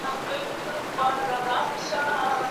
دا دود د سوداګرۍ تر اغېز لاندې دی.